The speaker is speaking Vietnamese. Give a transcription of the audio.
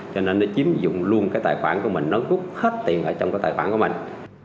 cho nên nó chiếm dụng luôn cái tài khoản của mình nó rút hết tiền ở trong cái tài khoản của mình